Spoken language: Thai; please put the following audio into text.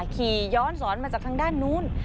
ขี่ย้อนสอนมาจากทางด้านนู้น